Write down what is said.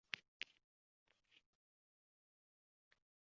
Qo`ndoq bilan berilgan zarba chap jag`ga tushdi